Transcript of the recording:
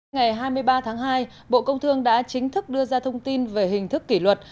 ngày hai mươi ba tháng hai bộ công thương đã chính thức đưa ra thông tin về hình thức kỷ luật